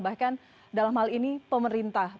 bahkan dalam hal ini pemerintah